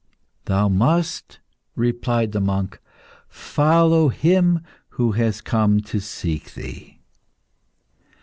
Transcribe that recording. "Thou must," replied the monk, "follow Him who has come to seek thee.